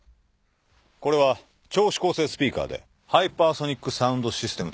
これは超指向性スピーカーでハイパーソニックサウンドシステムともいう。